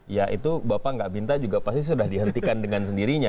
ya itu bapak nggak minta juga pasti sudah dihentikan dengan sendirinya